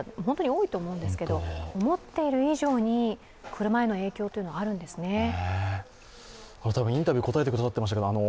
本当に多いと思うんですけど、思っている以上に車への影響というのはあるんですね。